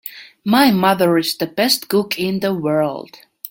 My mother is the best cook in the world!